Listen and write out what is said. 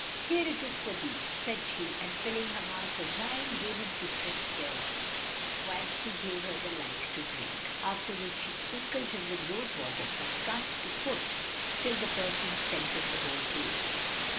"Here it is for thee," said she and filling her mouth with wine, gave him to drink thereof, whilst he gave her the like to drink; after which she sprinkled him with rose water from front to foot, till the perfume scented the whole place.